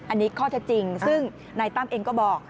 อันนี้ข้อเท็จจริงซึ่งนายตั้มเองก็บอก